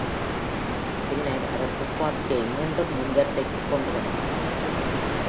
பின்னர் அவர் துப்பாக்கியை மீண்டும் முன் வரிசைக்கு கொண்டு வந்தார்.